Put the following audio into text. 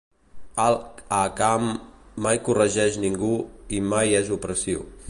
Al-Hakam mai corregeix ningú i mai és opressiu.